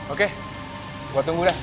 oke gua tunggu dah